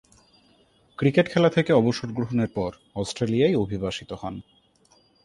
Cricket খেলা থেকে অবসর গ্রহণের পর অস্ট্রেলিয়ায় অভিবাসিত হন।